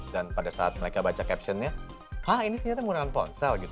dan pada saat mereka baca captionnya hah ini ternyata menggunakan ponsel gitu